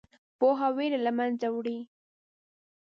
پوهه ویره له منځه وړي.